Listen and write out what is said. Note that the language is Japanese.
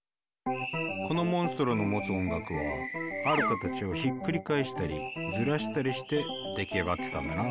このモンストロの持つ音楽はある形をひっくり返したりずらしたりして出来上がってたんだな。